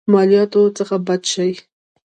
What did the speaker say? مالياتو څخه بچ شي.